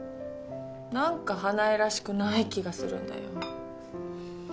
何か花枝らしくない気がするんだよ